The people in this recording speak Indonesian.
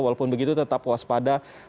walaupun begitu tetap waspada